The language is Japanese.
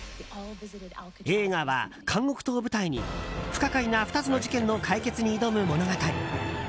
映画は監獄島を舞台に不可解な２つの事件の解決に挑む物語。